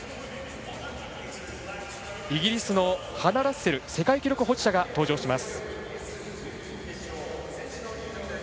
イギリスのハナ・ラッセル世界記録所持者が登場します。